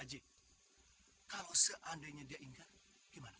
kalau seandainya dia ingat gimana